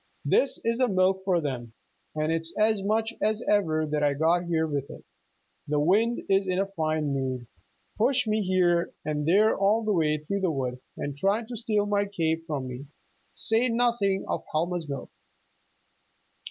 "This is the milk for them, and it's as much as ever that I got here with it. The wind is in a fine mood pushed me here and there all the way through the wood, and tried to steal my cape from me, say nothing of Helma's milk!